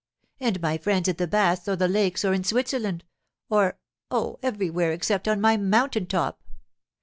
And my friends at the baths or the lakes or in Switzerland, or—oh, everywhere except on my mountain top!